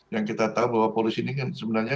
yang kita tahu bahwa polisi ini kan sebenarnya